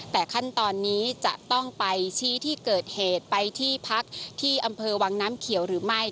แต่ขั้นตอนนี้จะต้องไปชี้ที่เกิดเหตุไปที่พักที่อำเภอวังน้ำเขียวหรือไม่